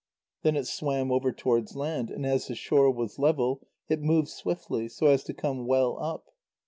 Then it swam over towards land, and as the shore was level, it moved swiftly, so as to come well up.